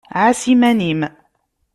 Ɛas iman-im!